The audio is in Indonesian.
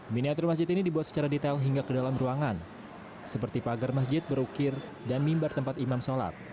miniatur masjid ini dibuat secara detail hingga ke dalam ruangan seperti pagar masjid berukir dan mimbar tempat imam sholat